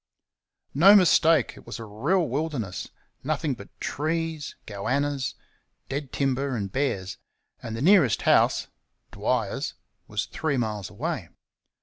No mistake, it was a real wilderness nothing but trees, "goannas," dead timber, and bears; and the nearest house Dwyer's was three miles away.